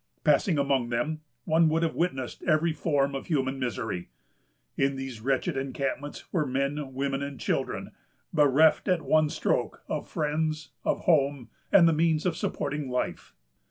Passing among them, one would have witnessed every form of human misery. In these wretched encampments were men, women, and children, bereft at one stroke of friends, of home, and the means of supporting life.